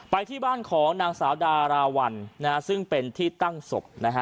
ไปที่บ้านของนางสาวดาราวัลซึ่งเป็นที่ตั้งศพนะฮะ